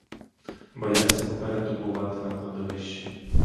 Боявся попереду бувати на кладовищі.